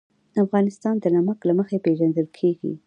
افغانستان د نمک له مخې پېژندل کېږي.